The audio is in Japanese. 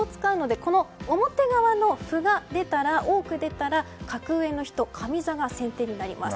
表側の「歩」が多く出たら格上の人上座が先手になります。